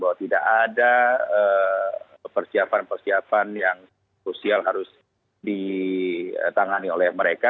bahwa tidak ada persiapan persiapan yang sosial harus ditangani oleh mereka